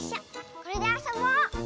これであそぼう！